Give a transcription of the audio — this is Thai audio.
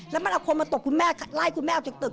แล้วมันเอาคนมาตกคุณแม่ไล่คุณแม่ออกจากตึก